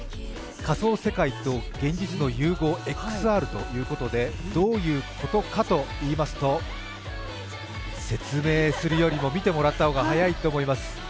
仮想世界と現実の融合、ＸＲということでどういうことかといいますと、説明するよりも見てもらった方が早いと思います。